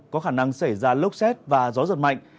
có khả năng xảy ra lốc xét và gió giật mạnh